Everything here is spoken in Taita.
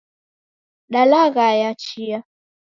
Dalaghaya chia.